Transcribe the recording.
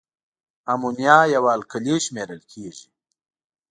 امونیا یوه القلي شمیرل کیږي.